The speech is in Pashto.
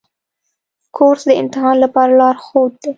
کورس د امتحان لپاره لارښود دی.